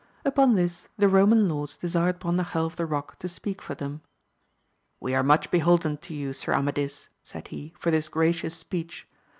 Upon this the Roman lords desired Brondajel of the Rock to speak for them : We are much beholden to you, Sir Amadis, said he, for this gracious speech.